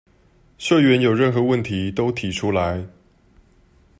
社員有任何問題都提出來